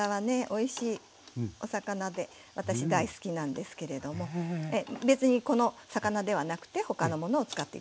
おいしいお魚で私大好きなんですけれども別にこの魚ではなくて他のものを使って頂いてもいいんですよ。